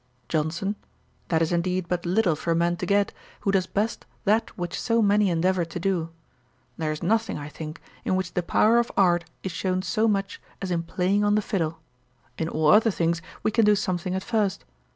JOHNSON. 'That is indeed but little for a man to get, who does best that which so many endeavour to do. There is nothing, I think, in which the power of art is shown so much as in playing on the fiddle. In all other things we can do something at first.